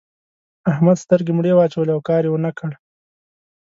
احمد سترګې مړې واچولې؛ او کار يې و نه کړ.